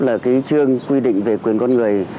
là cái chương quy định về quyền con người